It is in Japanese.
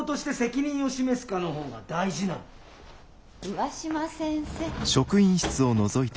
上嶋先生。